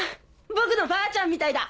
僕のばあちゃんみたいだ。